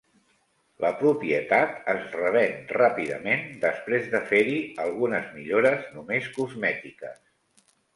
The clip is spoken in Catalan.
La propietat es revèn ràpidament després de fer-hi algunes millores, només cosmètiques.